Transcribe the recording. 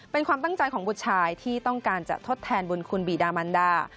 เป็นความตั้งใจของบุตรชายที่ต้องการจะทดแทนบุญคุณบีดามันดา